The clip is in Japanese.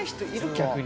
逆に。